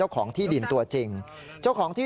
พระขู่คนที่เข้าไปคุยกับพระรูปนี้